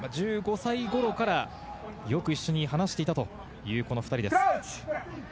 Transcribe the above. １５歳頃からよく一緒に話していたというこの２人です。